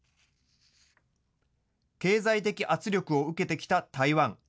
経済的圧力を受けてきた台湾。